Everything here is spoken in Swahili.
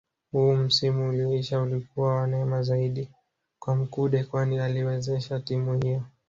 Huu msimu ulioisha ulikuwa wa neema zaidi kwa Mkude kwani aliiwezesha timu hiyo